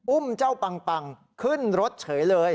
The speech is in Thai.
อุ้มเจ้าปังขึ้นรถเฉยเลย